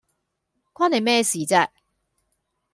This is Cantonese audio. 關你咩事啫？